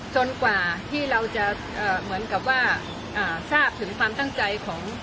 จนกว่าที่เราจะเหมือนกับว่าทราบถึงความตั้งใจของ